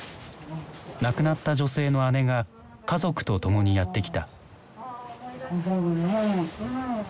亡くなった女性の姉が家族と共にやって来た。